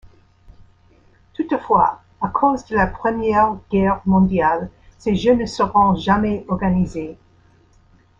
Toutefois, à cause de la Première Guerre mondiale, ces Jeux ne seront jamais organisés.